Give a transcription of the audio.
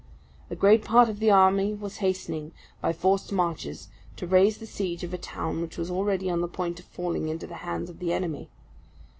A great part of the army was hastening, by forced marches, to raise the siege of a town which was already on the point of falling into the hands of the enemy.